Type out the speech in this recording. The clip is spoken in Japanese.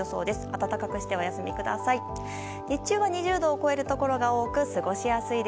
暖かくしてお休みください。